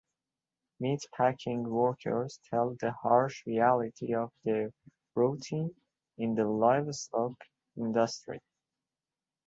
Meat packing workers tell the harsh reality of their routine in the livestock industry.